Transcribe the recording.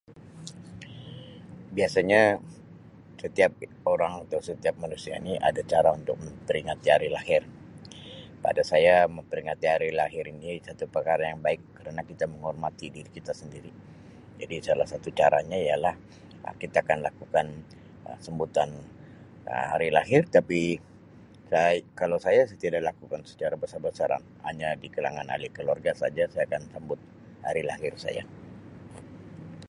Biasanya setiap orang atau setiap manusia ini ada cara untuk memperingati hari lahir pada saya memperingati hari lahir ini satu perkara yang baik kerana kita menghormati diri kita sendiri jadi salah satu caranya ialah kita akan lakukan sambutan Um hari lahir tapi [unintelligible] kalau saya saya tidak lakukan secara besar-besaran hanya di kalangan ahli keluarga saja saya akan sambut hari lahir saya.